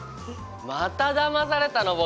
まただまされたの僕。